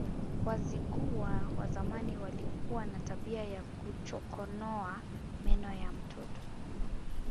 Wazigua wa zamani walikuwa na tabia ya kuchokonoa meno ya mtoto